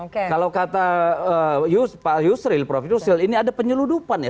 kalau kata pak yusril prof yusril ini ada penyeludupan ya